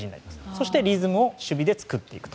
そしてリズムを守備で作っていく。